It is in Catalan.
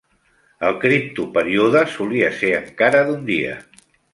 El criptoperíode solia ser encara d'un dia.